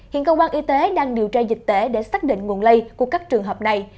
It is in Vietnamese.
hiện cơ quan y tế đang điều tra dịch tễ để xác định nguồn lây của các trường hợp này